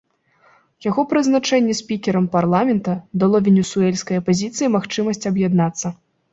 Яго прызначэнне спікерам парламента дало венесуэльскай апазіцыі магчымасць аб'яднацца.